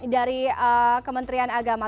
dari kementerian agama